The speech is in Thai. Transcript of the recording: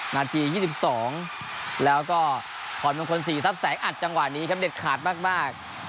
นาที๒๒แล้วก็พรมงคลศรีทรัพย์แสงอัดจังหวะนี้ครับเด็ดขาดมาก